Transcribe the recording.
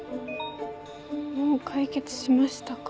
「もう解決しましたか？」